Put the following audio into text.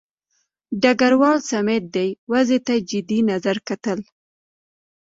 ډګروال سمیت دې وضع ته جدي نظر کتل.